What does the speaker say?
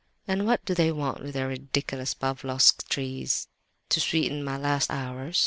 And what do they want with their ridiculous 'Pavlofsk trees'? To sweeten my last hours?